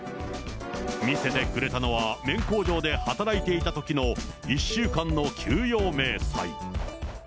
見せてくれたのは、綿工場で働いていたときの１週間の給与明細。